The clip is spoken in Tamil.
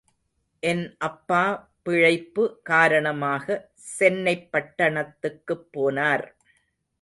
என் அப்பா பிழைப்பு காரணமாக சென்னைப் பட்டணத்துக்குப் போனார்.